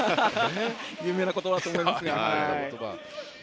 有名な言葉だと思いますが。